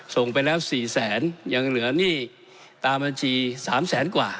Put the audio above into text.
ส่งไปแล้ว๔แสนยังเหลือหนี้ตามบัญชี๓แสนกว่า